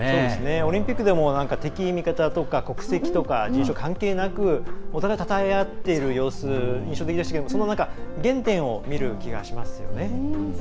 オリンピックでも敵、味方とか国籍とか人種関係なくお互いたたえ合っている様子が印象的でしたけどその原点を見れたような気がしました。